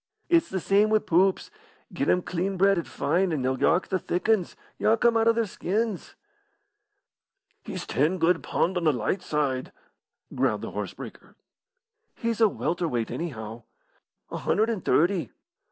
"It's the same wi' poops. Get 'em clean bred an' fine, an' they'll yark the thick 'uns yark 'em out o' their skins." "He's ten good pund on the light side," growled the horse breaker. "He's a welter weight, anyhow." "A hundred and thirty."